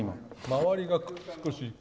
周りが少し。